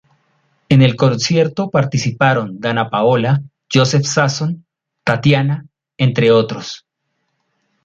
En el concierto participaron Danna Paola, Joseph Sasson, Tatiana, entre otros.